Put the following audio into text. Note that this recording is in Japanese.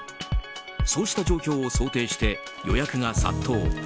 そうした状況を想定して予約が殺到。